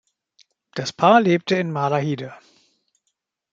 Das Paar lebt in Malahide.